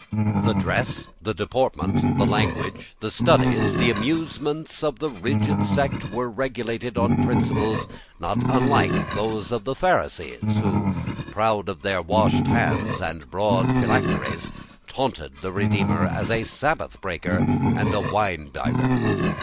The dress, the deportment, the language, the studies, the amusements of the rigid sect were regulated on principles not unlike those of the Pharisees who, proud of their washed hands and broad phylacteries, taunted the Redeemer as a sabbath breaker and a winebibber.